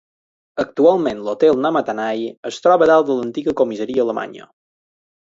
Actualment l'hotel Namatanai es troba dalt de l'antiga comissaria alemanya.